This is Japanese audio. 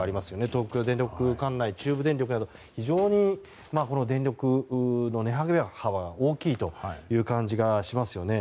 東京電力管内、中部電力など非常に、電力の値上げ幅が大きいという感じがしますよね。